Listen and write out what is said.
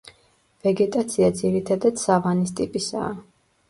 ვეგეტაცია ძირითადად სავანის ტიპისაა.